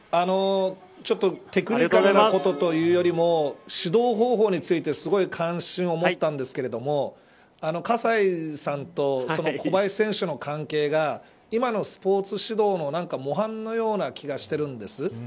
ちょっとテクニカルなことというよりも指導方法について、すごい関心を持ったんですけど葛西さんと小林選手の関係が今のスポーツ指導の模範のような気がしてるんです。